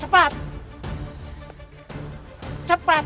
sampai ketemu di gua baik baik